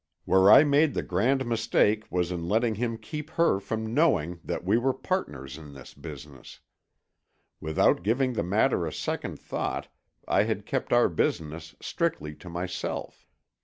"Where I made the grand mistake was in letting him keep her from knowing that we were partners in this business. Without giving the matter a second thought I had kept our business strictly to myself.